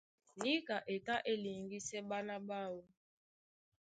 Níka e tá e liŋgisɛ ɓána ɓáō.